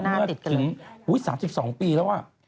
น่าติดกันเลยอุ๊ย๓๒ปีแล้วอ่ะ